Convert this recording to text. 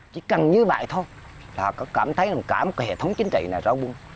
chỉ cần như vậy thôi là họ có cảm thấy cả một hệ thống chính trị này rõ ràng